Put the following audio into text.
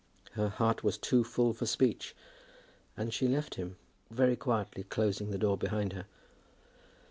Her heart was too full for speech; and she left him, very quietly closing the door behind her.